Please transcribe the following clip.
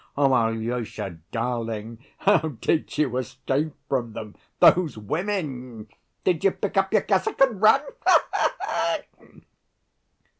Alyosha, darling, how did you escape from them, those women? Did you pick up your cassock and run? Ha ha ha!"